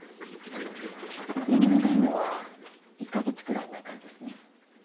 眠れないのは１か月くらい前からですね？